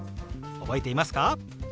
覚えていますか？